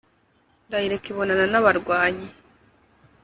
Ndayireka ibonana n'abarwanyi